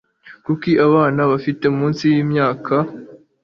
kuki abana bafite munsi y'imyaka